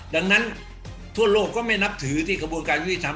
ดังนั้นทั่วโลกก็ไม่นับถือที่กระบวนการยุทธิธรรม